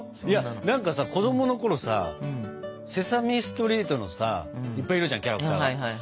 いや何かさ子供のころさ「セサミストリート」のさいっぱいいるじゃんキャラクターが。